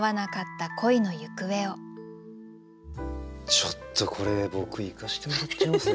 ちょっとこれ僕いかしてもらっちゃうぜ。